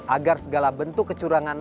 agar segala bentuk kecurangan